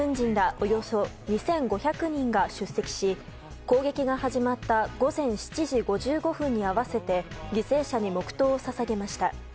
およそ２５００人が出席し攻撃が始まった午前７時５５分に合わせて犠牲者に黙祷を捧げました。